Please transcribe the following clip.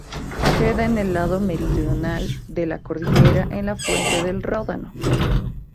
Queda en el lado meridional de la cordillera en la fuente del Ródano.